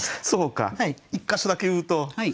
そうか１か所だけ言うと。